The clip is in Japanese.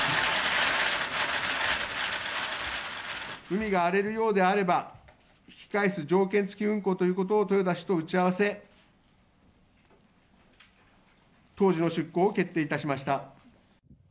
海が荒れるようであれば、引き返す条件付き運航ということを豊田氏と打ち合わせ、当時の出航を決定いたしました。